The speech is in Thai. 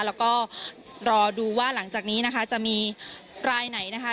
แล้วก็รอดูว่าหลังจากนี้นะคะจะมีรายไหนนะคะ